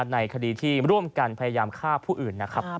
ในคดีที่ร่วมกันพยายามฆ่าผู้อื่นนะครับ